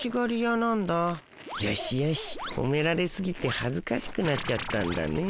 よしよしほめられすぎてはずかしくなっちゃったんだね。